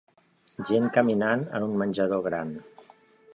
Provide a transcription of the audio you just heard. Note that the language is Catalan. Gent caminant en un menjador gran